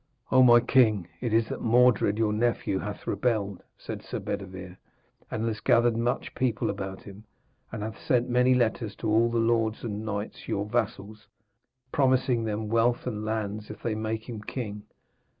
'O my king, it is that Mordred your nephew hath rebelled,' said Sir Bedevere, 'and has gathered much people about him, and hath sent many letters to all the lords and knights your vassals, promising them wealth and lands if they make him king.